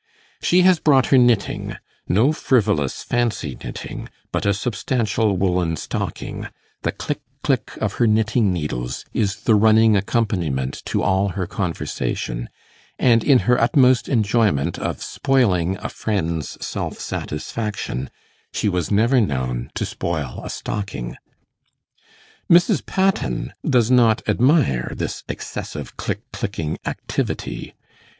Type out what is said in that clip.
She has brought her knitting no frivolous fancy knitting, but a substantial woollen stocking; the click click of her knitting needles is the running accompaniment to all her conversation, and in her utmost enjoyment of spoiling a friend's self satisfaction, she was never known to spoil a stocking. Mrs. Patten does not admire this excessive click clicking activity.